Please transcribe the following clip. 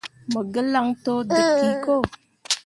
Mo gǝlaŋ to deb ki ko.